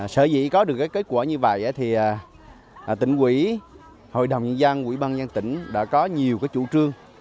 sở dĩ có được kết quả như vậy thì tỉnh quỹ hội đồng nhân dân quỹ ban nhân tỉnh đã có nhiều chủ trương